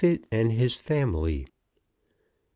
NEEFIT AND HIS FAMILY. Mr.